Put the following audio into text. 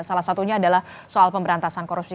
salah satunya adalah soal pemberantasan korupsi